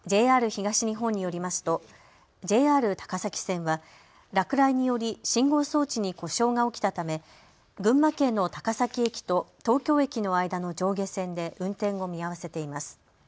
ＪＲ東日本によりますとＪＲ高崎線は落雷により信号装置に故障が起きたため群馬県の高崎駅と東京駅の間の上下線で運転を見合わせています。